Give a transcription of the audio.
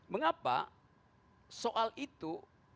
mengapa soal itu